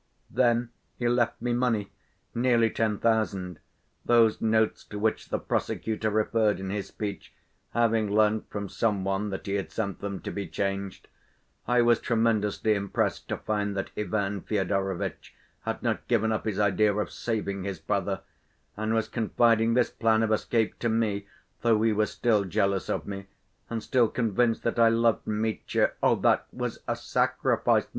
Then he left me money, nearly ten thousand—those notes to which the prosecutor referred in his speech, having learnt from some one that he had sent them to be changed. I was tremendously impressed to find that Ivan Fyodorovitch had not given up his idea of saving his brother, and was confiding this plan of escape to me, though he was still jealous of me and still convinced that I loved Mitya. Oh, that was a sacrifice!